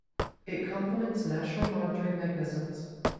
It complements national monitoring mechanisms.